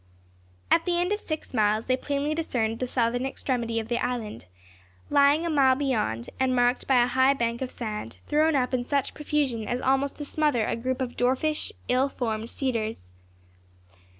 At the end of six miles they plainly discerned the southern extremity of the island, lying a mile beyond, and marked by a high bank of sand, thrown up in such profusion as almost to smother a group of dwarfish, ill formed cedars.